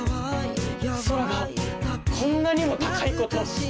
空がこんなにも高いこと。